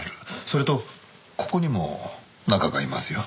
それとここにも「中」がいますよ。